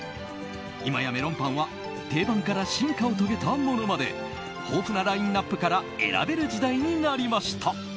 今やメロンパンは定番から進化を遂げたものまで豊富なラインアップから選べる時代になりました。